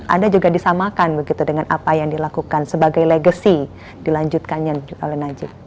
anda juga disamakan begitu dengan apa yang dilakukan sebagai legacy dilanjutkannya oleh najib